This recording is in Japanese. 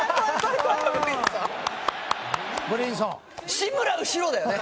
「志村後ろ」だよね。